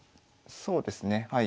そうですねはい。